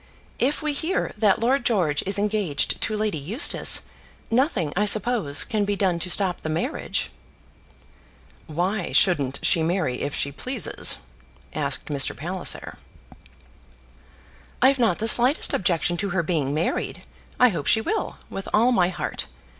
If we hear that Lord George is engaged to Lady Eustace, nothing, I suppose, can be done to stop the marriage." "Why shouldn't she marry if she pleases?" asked Mr. Palliser. "I've not the slightest objection to her being married. I hope she will, with all my heart.